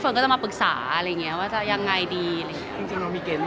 จริงมันมีเกณฑ์ในการเลือกงานอย่างไรบ้าง